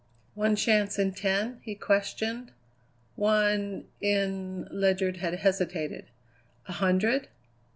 "One chance in ten?" he questioned. "One in " Ledyard had hesitated. "A hundred?"